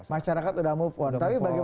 masyarakat udah move on tapi bagaimana